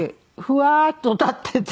ふわっと立ってて。